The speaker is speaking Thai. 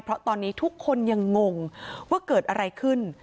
เพราะตอนนี้ทุกคนยังงงว่าเกิดอะไรขึ้น